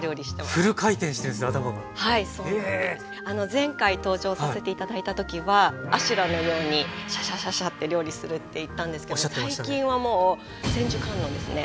前回登場させて頂いた時は阿修羅のようにシャシャシャシャッて料理するって言ったんですけど最近はもう千手観音ですね。